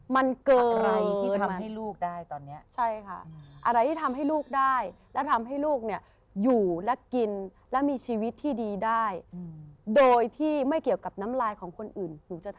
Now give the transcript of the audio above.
มันเกินอะไรที่ทำให้ลูกได้และทำให้ลูกอยู่และกินและมีชีวิตที่ดีได้โดยที่ไม่เกี่ยวกับน้ำลายของคนอื่น